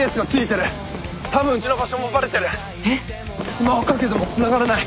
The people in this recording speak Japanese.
スマホかけてもつながらない。